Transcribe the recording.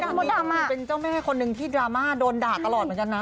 กลับมาเป็นเจ้าแม่คนหนึ่งที่ดราม่าโดนด่ากลอดมากจังนะ